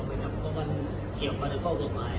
เพราะมันเกี่ยวกันในข้อกฎหมาย